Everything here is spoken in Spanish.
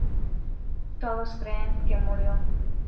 Todos creen que murió.